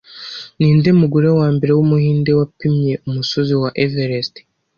Ninde mugore wambere wumuhinde wapimye umusozi wa Everest